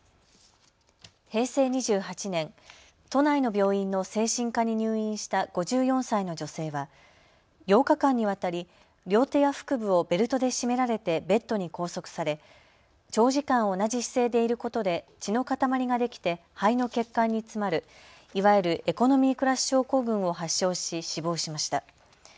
平成２８年、都内の病院の精神科に入院した５４歳の女性は８日間にわたり両手や腹部をベルトで締められてベッドに拘束され長時間同じ姿勢でいることで血の塊ができて肺の血管に詰まるいわゆるエコノミークラス症候群を発症し死亡しました。